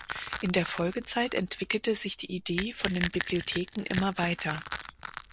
In der Folgezeit entwickelte sich die Idee von den Bibliotheken immer weiter.